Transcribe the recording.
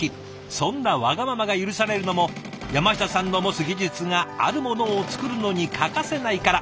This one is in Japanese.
そんなわがままが許されるのも山下さんの持つ技術があるものを作るのに欠かせないから。